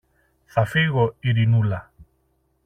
Θα φύγω, Ειρηνούλα.